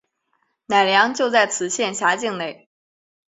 乃良就在此县辖境内。